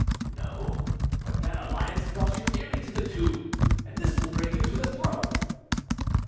"No; but that alliance brought you nearly to the tomb, and this will bring you to the throne."